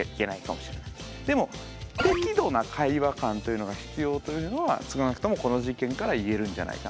でも適度な会話感というのが必要というのは少なくともこの実験から言えるんじゃないかな。